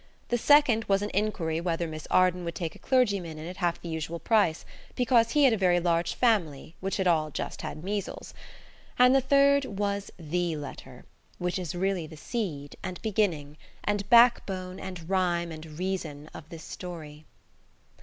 The second was an inquiry whether Miss Arden would take a clergyman in at half the usual price, because he had a very large family which had all just had measles. And the third was THE letter, which is really the seed, and beginning, and backbone, and rhyme, and reason of this story.